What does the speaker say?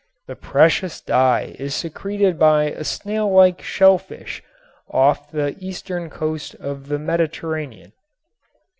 The precious dye is secreted by a snail like shellfish of the eastern coast of the Mediterranean.